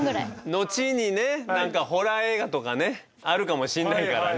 後にね何かホラー映画とかねあるかもしれないからね。